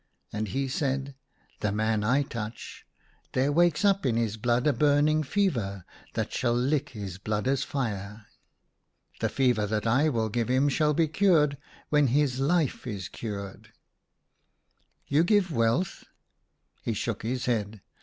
" And he said, "The man I touch, there wakes up in his blood a burning fever, that shall lick his blood as fire. The fever that I will give him shall be cured when his life is cured." " You give wealth ?" He shook his head.